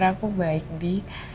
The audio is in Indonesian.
kamar aku baik di